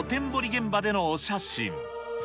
現場でのお写真。